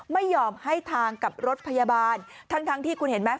ไม่ยอมให้ทางกับรถพยาบาลทั้งทั้งที่คุณเห็นไหม